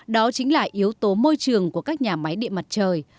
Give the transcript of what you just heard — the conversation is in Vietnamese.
đó chính là yếu tố môi trường của các nhà máy điện mặt trời